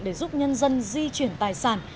để giúp nhân dân di chuyển tài sản